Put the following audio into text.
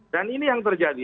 dan ini yang terjadi